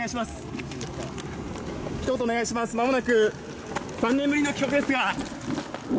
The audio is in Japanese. まもなく、３年ぶりの帰国ですが。